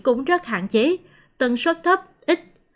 cũng rất hạn chế tần số thấp ít